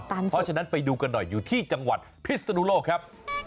เพราะฉะนั้นไปดูกันหน่อยอยู่ที่จังหวัดพิศนุโลกครับ